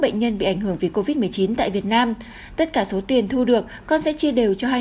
bệnh nhân bị ảnh hưởng vì covid một mươi chín tại việt nam tất cả số tiền thu được con sẽ chia đều cho hai